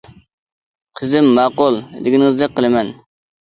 - قىزىم ماقۇل، دېگىنىڭىزدەك قىلىمەن.